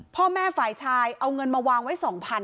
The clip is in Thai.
พ่อแม่ฝ่ายชายเอาเงินมาวางไว้๒๐๐๐